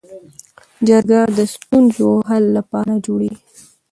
جرګه د ستونزو حل لپاره جوړیږي